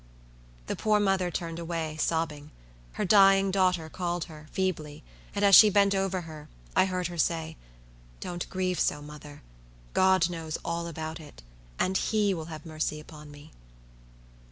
The poor mother turned away, sobbing. Her dying daughter called her, feebly, and as she bent over her, I heard her say, "Don't grieve so, mother; God knows all about it; and HE will have mercy upon me."